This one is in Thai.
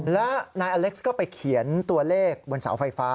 และนายอเล็กซ์ก็ไปเขียนตัวเลขบนเสาไฟฟ้า